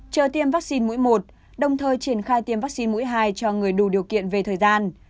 chờ tiêm vaccine mũi một đồng thời triển khai tiêm vaccine mũi hai cho người đủ điều kiện về thời gian